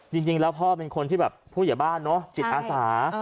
จริงแล้วพ่อเป็นคนที่แบบผู้เหยียบบ้านจิตอาสา